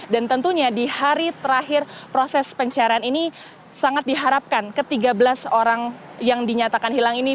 dan tentunya di hari terakhir proses pencarian ini sangat diharapkan ke tiga belas orang yang dinyatakan hilang ini